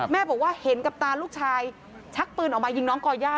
แม่บอกว่าเห็นกับตาลูกชายชักปืนออกมายิงน้องก่อย่า